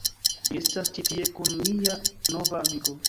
Mi estas ĉi tie kun mia nova amiko